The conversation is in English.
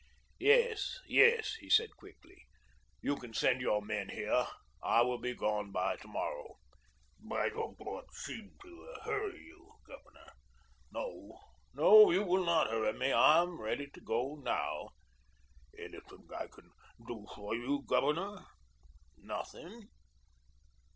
"Yes, yes," he said quickly, "you can send your men here. I will be gone by to morrow." "I don't want to seem to hurry you, Governor." "No, you will not hurry me. I am ready to go now." "Anything I can do for you, Governor?" "Nothing."